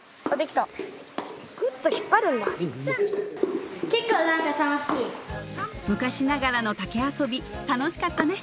・あっできた昔ながらの竹遊び楽しかったね